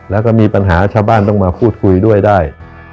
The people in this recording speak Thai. แล้วก็มีปัญหาชาวบ้านต้องมาพูดคุยด้วยได้